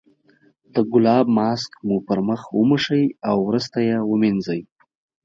د ګلاب ماسک مو په مخ وموښئ او وروسته یې ومینځئ.